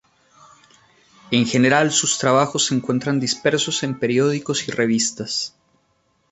En general sus trabajos se encuentran dispersos en periódicos y revistas.